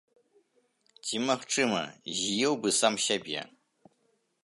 Ці, магчыма, з'еў бы сам сябе.